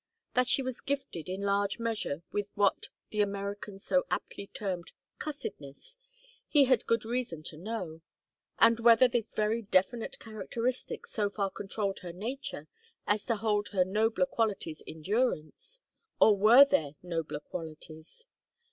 That she was gifted in large measure with what the Americans so aptly termed cussedness he had good reason to know; and whether this very definite characteristic so far controlled her nature as to hold her nobler qualities in durance or were there nobler qualities?